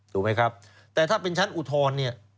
ถูกไหมครับแต่ถ้าเป็นชั้นอุทธรณ์เนี่ย